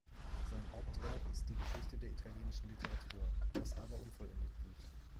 Sein Hauptwerk ist die „Geschichte der italienischen Literatur“, das aber unvollendet blieb.